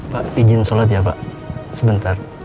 pak izin sholat ya pak sebentar